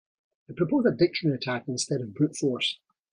I'd propose a dictionary attack instead of brute force.